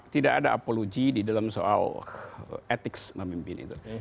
tidak ada apologi di dalam soal etik memimpin itu